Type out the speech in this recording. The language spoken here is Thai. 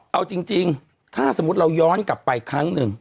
เอาจริงถ้าสมมุติเราย้อนกลับไปครั้งหนึ่ง